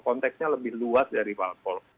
konteksnya lebih luas dari parpol